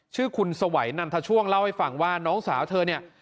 ชื่อคุณสวัยนันทช่วงเล่าให้ฟังว่าน้องสาวเธอเนี่ย